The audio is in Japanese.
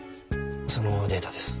そのデータです。